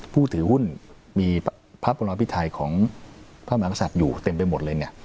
ผู้ถือหุ้นมีพระบรมพิไทยของพระมหากษัตริย์อยู่เต็มไปหมดเลยเนี่ย